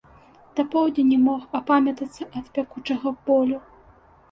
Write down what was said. Да поўдня не мог апамятацца ад пякучага болю.